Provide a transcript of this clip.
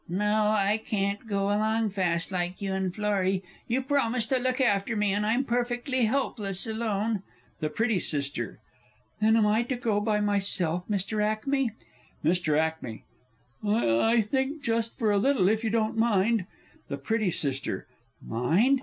No; I can't go along fast, like you and Florrie. You promised to look after me, and I'm perfectly helpless alone! THE PRETTY S. Then, am I to go by myself, Mr. Ackmey? MR. A. I I think just for a little, if you don't mind! THE PRETTY S. Mind?